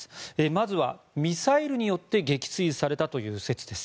まず、ミサイルによって撃墜されたという説です。